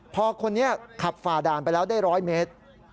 พอคนนี้ขับฝ่าด่านไปแล้วได้๑๐๐เมตร